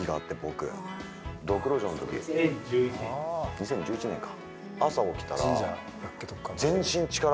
２０１１年か。